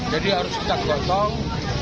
jadi harus kita potong